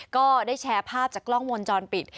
ก็ได้แชร์ภาพจากกล้องมนตร์จอนปิด